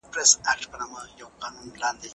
که ته غواړې چي وزن دي کم سي نو غوړ خواړه مه خوره.